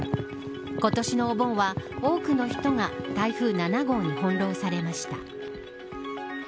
今年のお盆は、多くの人が台風７号にほんろうされました。